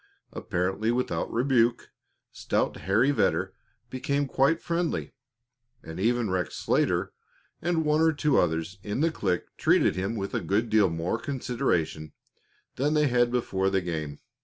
Apparently without rebuke, stout Harry Vedder became quite friendly, and even Rex Slater and one or two others in the clique treated him with a good deal more consideration than they had before the game.